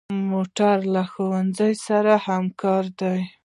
موټر له ښوونځي سره همکار دی.